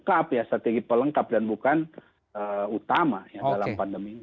salah satu pelengkap ya strategi pelengkap dan bukan utama ya dalam pandemi ini